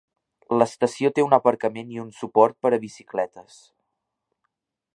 L'estació té un aparcament i un suport per a bicicletes.